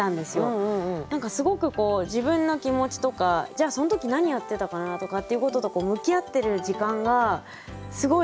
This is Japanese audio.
何かすごくこう自分の気持ちとかじゃあその時何やってたかなとかっていうことと向き合ってる時間がすごい